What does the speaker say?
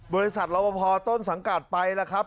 บริษัทรอบพอต้นสังกัดไปแล้วครับ